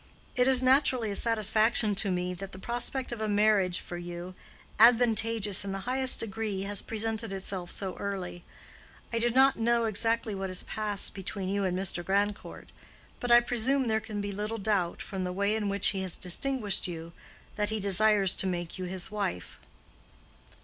"It is naturally a satisfaction to me that the prospect of a marriage for you—advantageous in the highest degree—has presented itself so early. I do not know exactly what has passed between you and Mr. Grandcourt, but I presume there can be little doubt, from the way in which he has distinguished you, that he desires to make you his wife."